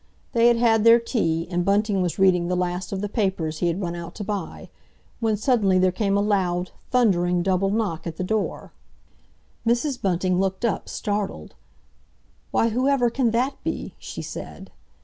They had had their tea, and Bunting was reading the last of the papers he had run out to buy, when suddenly there came a loud, thundering, double knock at the door. Mrs. Bunting looked up, startled. "Why, whoever can that be?" she said.